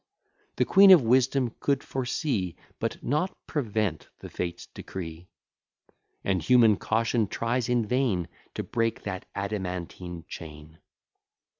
The Queen of Wisdom could foresee, But not prevent, the Fates' decree: And human caution tries in vain To break that adamantine chain.